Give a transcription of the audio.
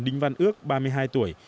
đinh văn ước ba mươi hai tuổi